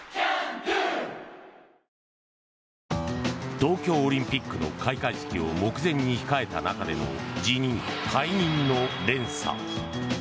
東京オリンピックの開会式を目前に控えた中での辞任・解任の連鎖。